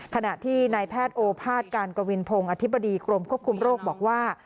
ขณะที่นายแพทย์โอภาษย์การกวินพงศ์อธิบดีกรมควบคุมโรคบอกว่า